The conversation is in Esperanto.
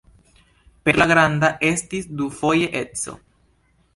Petro la Granda estis dufoje edzo.